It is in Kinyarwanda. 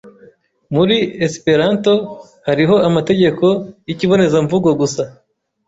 Muri Esperanto hariho amategeko yikibonezamvugo gusa